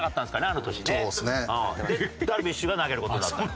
あの年ね。でダルビッシュが投げる事になった。